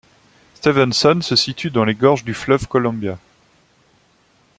Stevenson se situe dans les gorges du fleuve Columbia.